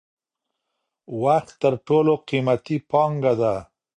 وخت تر ټولو قیمتی پانګه ده.